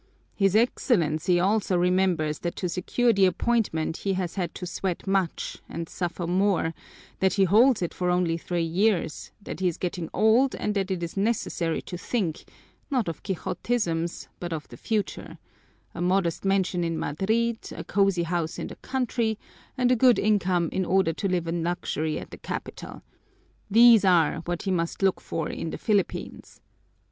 His Excellency also remembers that to secure the appointment he has had to sweat much and suffer more, that he holds it for only three years, that he is getting old and that it is necessary to think, not of quixotisms, but of the future: a modest mansion in Madrid, a cozy house in the country, and a good income in order to live in luxury at the capital these are what he must look for in the Philippines.